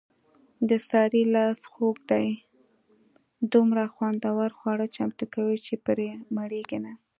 د سارې لاس خوږ دی دومره خوندور خواړه چمتو کوي، چې پرې مړېږي نه.